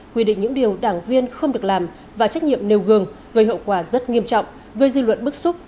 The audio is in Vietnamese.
quy định những điều đảng viên không được làm và trách nhiệm nêu gương gây hậu quả rất nghiêm trọng gây dư luận bức xúc